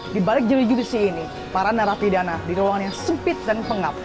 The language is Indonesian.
di balik jenis judisi ini para narapidana di ruangan yang sempit dan pengap